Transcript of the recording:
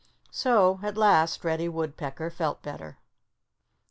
So at last Reddy Woodpecker felt better.